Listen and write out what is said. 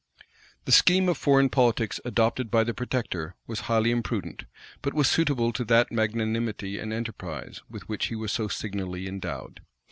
The scheme of foreign politics adopted by the protector was highly imprudent, but was suitable to that magnanimity and enterprise with which he was so signally endowed.